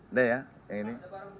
udah ya yang ini